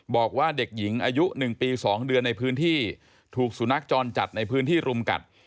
บอกว่าเด็กหญิงอายุ๑ปี๒เดือนในพื้นที่ถูกสุนัขจรจัดในพื้นที่รุมกัด